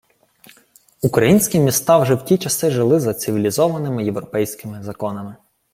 Українські міста вже в ті часи жили за цивілізованими європейськими законами